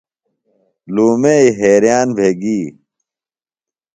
لومئی حیریان بھےۡ گی۔